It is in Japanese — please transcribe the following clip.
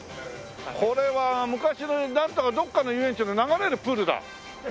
これは昔のどこかの遊園地の流れるプールだ。